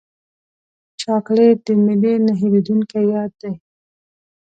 چاکلېټ د میلې نه هېرېدونکی یاد دی.